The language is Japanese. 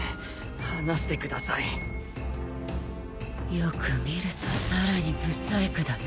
よく見るとさらに不細工だね。